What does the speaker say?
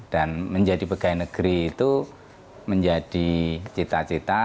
dan menjadi pegawai negeri itu menjadi cita cita